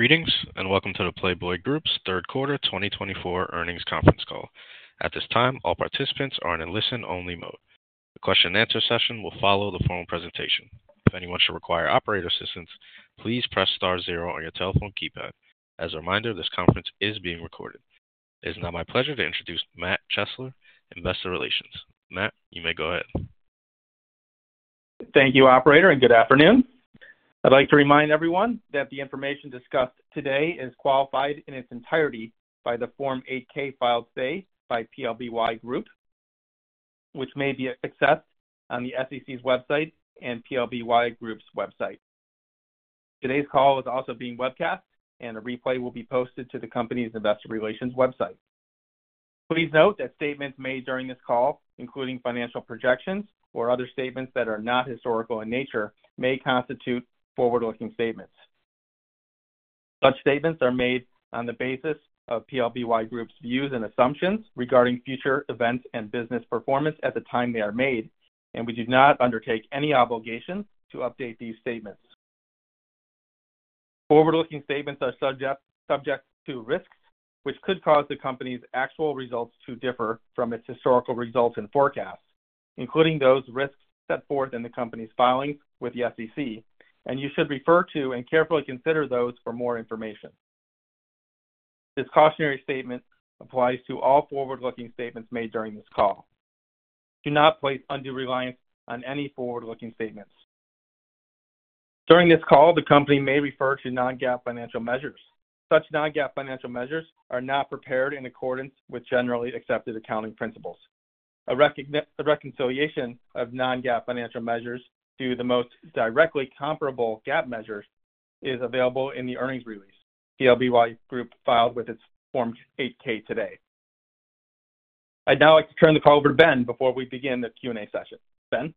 Greetings and welcome to the Playboy Group's Third Quarter 2024 earnings conference call. At this time, all participants are in a listen-only mode. The question-and-answer session will follow the formal presentation. If anyone should require operator assistance, please press star zero on your telephone keypad. As a reminder, this conference is being recorded. It is now my pleasure to introduce Matt Chesler, Investor Relations. Matt, you may go ahead. Thank you, Operator, and good afternoon. I'd like to remind everyone that the information discussed today is qualified in its entirety by the Form 8-K filed today by PLBY Group, which may be accessed on the SEC's website and PLBY Group's website. Today's call is also being webcast, and a replay will be posted to the company's Investor Relations website. Please note that statements made during this call, including financial projections or other statements that are not historical in nature, may constitute forward-looking statements. Such statements are made on the basis of PLBY Group's views and assumptions regarding future events and business performance at the time they are made, and we do not undertake any obligation to update these statements. Forward-looking statements are subject to risks, which could cause the company's actual results to differ from its historical results and forecasts, including those risks set forth in the company's filings with the SEC, and you should refer to and carefully consider those for more information. This cautionary statement applies to all forward-looking statements made during this call. Do not place undue reliance on any forward-looking statements. During this call, the company may refer to non-GAAP financial measures. Such non-GAAP financial measures are not prepared in accordance with generally accepted accounting principles. A reconciliation of non-GAAP financial measures to the most directly comparable GAAP measures is available in the earnings release PLBY Group filed with its Form 8-K today. I'd now like to turn the call over to Ben before we begin the Q&A session. Ben.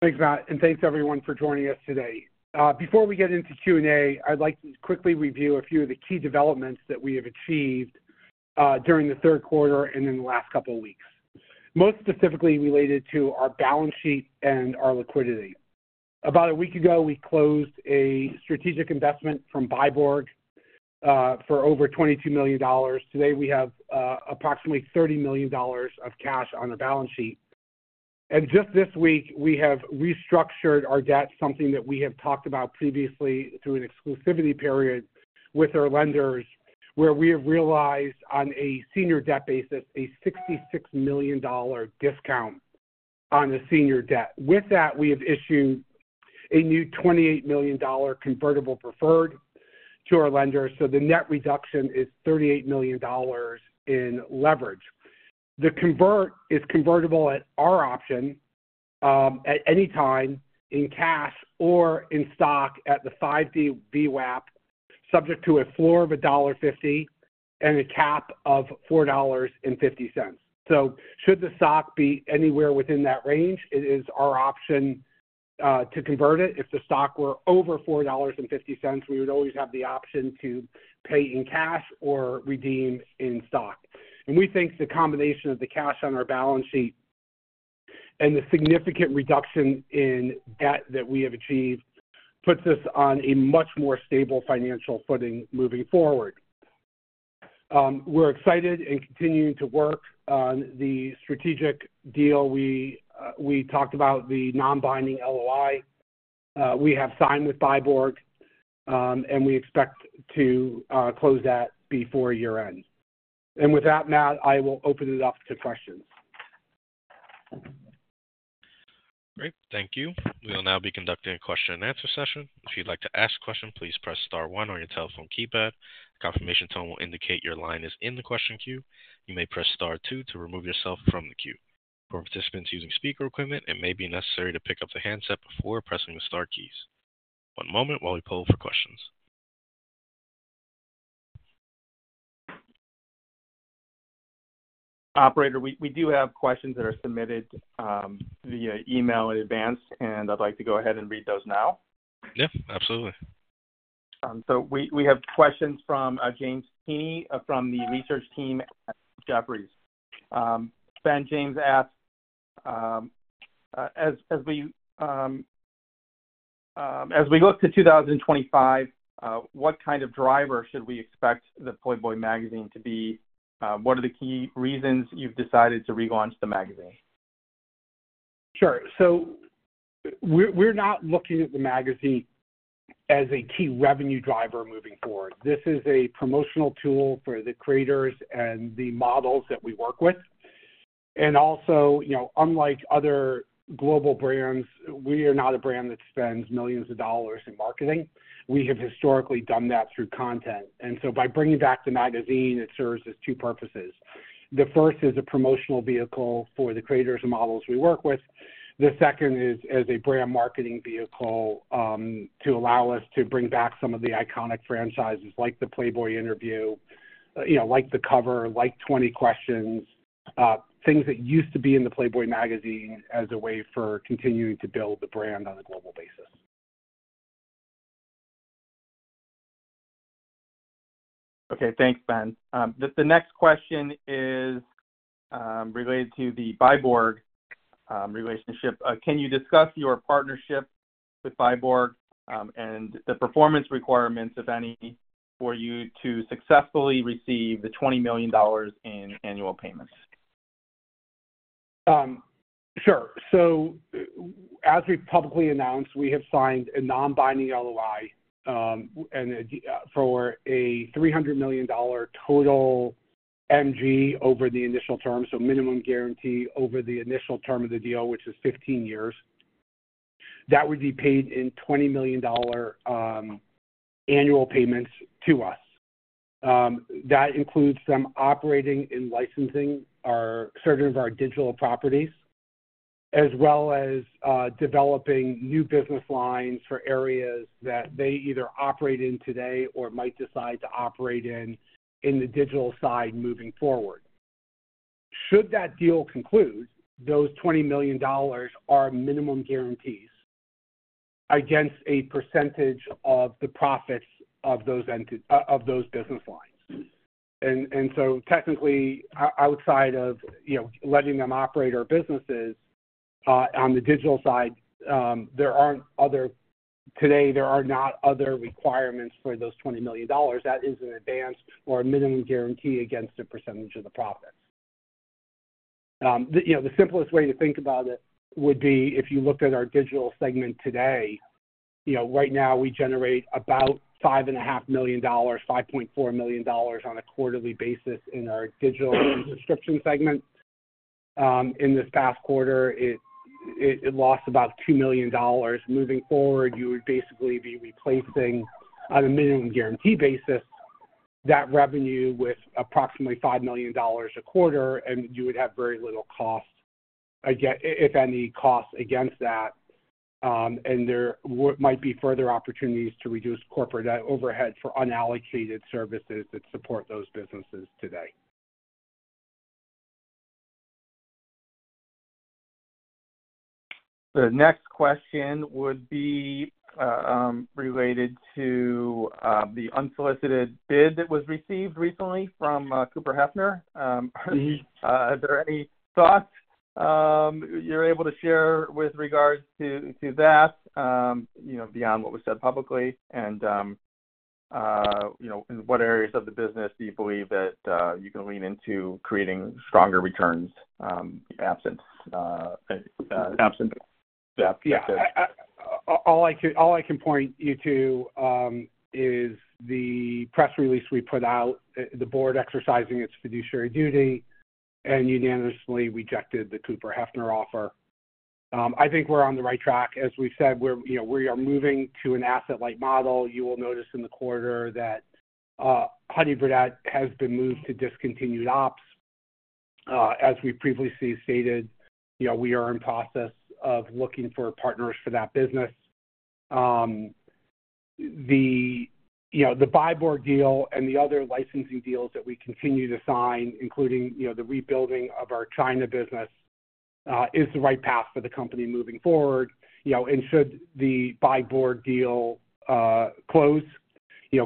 Thanks, Matt, and thanks, everyone, for joining us today. Before we get into Q&A, I'd like to quickly review a few of the key developments that we have achieved during the third quarter and in the last couple of weeks, most specifically related to our balance sheet and our liquidity. About a week ago, we closed a strategic investment from Byborg for over $22 million. Today, we have approximately $30 million of cash on our balance sheet. And just this week, we have restructured our debt, something that we have talked about previously through an exclusivity period with our lenders, where we have realized, on a senior debt basis, a $66 million discount on the senior debt. With that, we have issued a new $28 million convertible preferred to our lenders, so the net reduction is $38 million in leverage. The convert is convertible at our option at any time in cash or in stock at the 5-day VWAP, subject to a floor of $1.50 and a cap of $4.50. So should the stock be anywhere within that range, it is our option to convert it. If the stock were over $4.50, we would always have the option to pay in cash or redeem in stock. And we think the combination of the cash on our balance sheet and the significant reduction in debt that we have achieved puts us on a much more stable financial footing moving forward. We're excited and continuing to work on the strategic deal. We talked about the non-binding LOI. We have signed with Byborg, and we expect to close that before year-end. And with that, Matt, I will open it up to questions. Great. Thank you. We will now be conducting a question-and-answer session. If you'd like to ask a question, please press star one on your telephone keypad. Confirmation tone will indicate your line is in the question queue. You may press star two to remove yourself from the queue. For participants using speaker equipment, it may be necessary to pick up the handset before pressing the star keys. One moment while we poll for questions. Operator, we do have questions that are submitted via email in advance, and I'd like to go ahead and read those now. Yeah, absolutely. We have questions from James Heaney from the research team at Jefferies. Ben, James asked, as we look to 2025, what kind of driver should we expect the Playboy magazine to be? What are the key reasons you've decided to relaunch the magazine? Sure. We're not looking at the magazine as a key revenue driver moving forward. This is a promotional tool for the creators and the models that we work with. Unlike other global brands, we are not a brand that spends millions of dollars in marketing. We have historically done that through content. By bringing back the magazine, it serves us two purposes. The first is a promotional vehicle for the creators and models we work with. The second is as a brand marketing vehicle to allow us to bring back some of the iconic franchises like the Playboy Interview, like the cover, like 20 Questions, things that used to be in the Playboy magazine as a way for continuing to build the brand on a global basis. Okay. Thanks, Ben. The next question is related to the Byborg relationship. Can you discuss your partnership with Byborg and the performance requirements, if any, for you to successfully receive the $20 million in annual payments? Sure. So as we've publicly announced, we have signed a non-binding LOI for a $300 million total MG over the initial term, so minimum guarantee over the initial term of the deal, which is 15 years. That would be paid in $20 million annual payments to us. That includes them operating and licensing certain of our digital properties, as well as developing new business lines for areas that they either operate in today or might decide to operate in in the digital side moving forward. Should that deal conclude, those $20 million are minimum guarantees against a percentage of the profits of those business lines. And so technically, outside of letting them operate our businesses on the digital side, there aren't other, today there are not other requirements for those $20 million. That is an advance or a minimum guarantee against a percentage of the profits. The simplest way to think about it would be if you looked at our digital segment today. Right now, we generate about $5.5 million, $5.4 million on a quarterly basis in our digital subscription segment. In this past quarter, it lost about $2 million. Moving forward, you would basically be replacing, on a minimum guarantee basis, that revenue with approximately $5 million a quarter, and you would have very little cost, if any, cost against that, and there might be further opportunities to reduce corporate overhead for unallocated services that support those businesses today. The next question would be related to the unsolicited bid that was received recently from Cooper Hefner. Are there any thoughts you're able to share with regards to that beyond what was said publicly? And in what areas of the business do you believe that you can lean into creating stronger returns absent that? Yeah. All I can point you to is the press release we put out. The board exercising its fiduciary duty, and unanimously rejected the Cooper Hefner offer. I think we're on the right track. As we've said, we are moving to an asset-light model. You will notice in the quarter that Honey Birdette has been moved to discontinued ops. As we previously stated, we are in process of looking for partners for that business. The Byborg deal and the other licensing deals that we continue to sign, including the rebuilding of our China business, is the right path for the company moving forward. And should the Byborg deal close,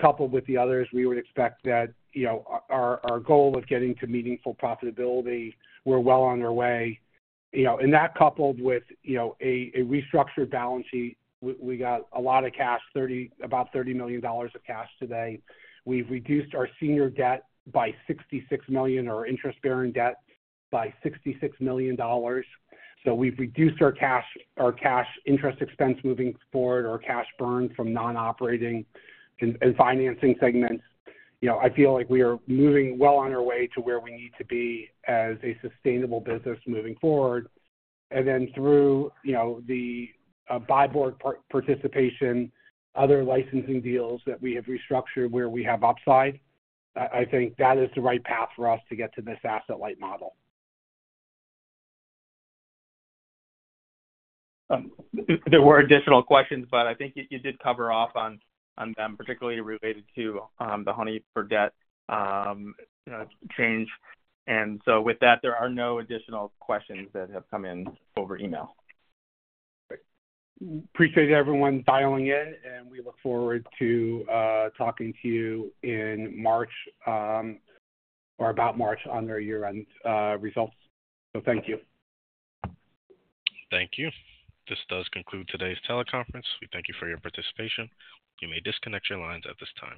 coupled with the others, we would expect that our goal of getting to meaningful profitability, we're well on our way. And that, coupled with a restructured balance sheet, we got a lot of cash, about $30 million of cash today. We've reduced our senior debt by $66 million or interest-bearing debt by $66 million. So we've reduced our cash interest expense moving forward, our cash burn from non-operating and financing segments. I feel like we are moving well on our way to where we need to be as a sustainable business moving forward. And then through the Byborg participation, other licensing deals that we have restructured where we have upside, I think that is the right path for us to get to this asset-light model. There were additional questions, but I think you did cover off on them, particularly related to the Honey Birdette change, and so with that, there are no additional questions that have come in over email. Appreciate everyone dialing in, and we look forward to talking to you in March or about March on our year-end results. So thank you. Thank you. This does conclude today's teleconference. We thank you for your participation. You may disconnect your lines at this time.